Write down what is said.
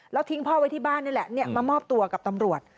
แล้วทิ้งพ่อไว้ที่บ้านนี่แหละมามอบตัวกับตำรวจ